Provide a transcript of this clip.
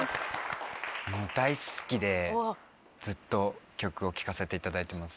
もう大好きでずっと曲を聴かせていただいてます。